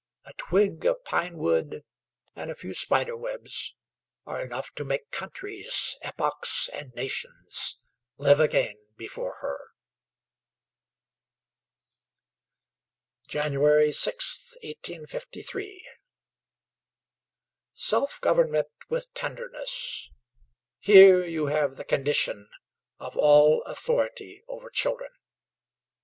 A twig of pine wood and a few spider webs are enough to make countries, epochs, and nations live again before her. January 6th, 1853. Self government with tenderness, here you have the condition of all authority over children.